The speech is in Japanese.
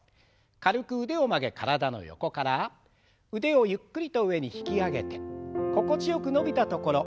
軽く腕を曲げ体の横から腕をゆっくりと上に引き上げて心地よく伸びたところ。